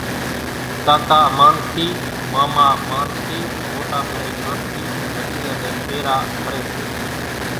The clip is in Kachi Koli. ڪاڪا مان ٿي ماما مان ٿي موٽا ڀائي مان ٿي ڍڳليان نين ڦيرا ڦري سي۔